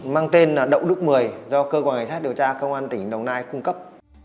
mang tên là đậu đức một mươi do cơ quan kiểm tra điều tra công an tỉnh đồng nai cung cấp